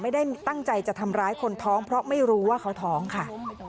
ไม่ได้ตั้งใจจะทำร้ายคนท้องเพราะไม่รู้ว่าเขาท้องค่ะ